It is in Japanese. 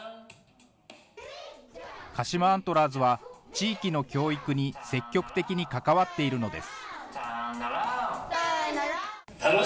鹿島アントラーズは、地域の教育に積極的に関わっているのです。